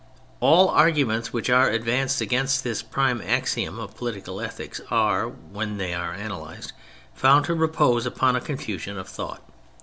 All arguments which are advanced against this prime axiom of political ethics are, when they are analysed, found to repose upon a confusion of thought.